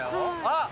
あっ！